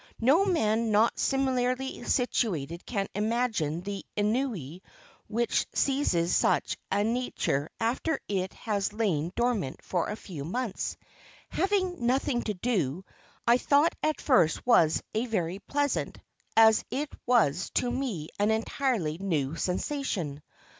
No man not similarly situated can imagine the ennui which seizes such a nature after it has lain dormant for a few months. Having "nothing to do," I thought at first was a very pleasant, as it was to me an entirely new sensation.